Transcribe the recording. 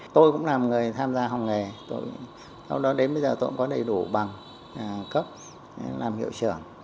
tôi cũng là người tham gia học nghề sau đó đến bây giờ tôi cũng có đầy đủ bằng cấp làm hiệu trưởng